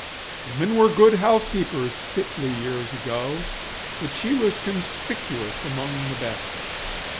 Women were good housekeepers fitly years ago, but she was conspicuous among the best.